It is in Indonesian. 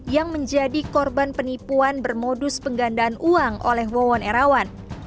yang menjadi korban penipuan bermodus penggandaan uang oleh won era satu